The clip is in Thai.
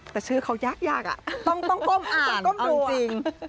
แต่ชื่อเขายากอ่ะต้องก้มอ่านต้องก้มดูอ่ะเอาจริง